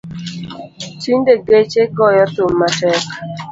Tinde geche goyo thum matek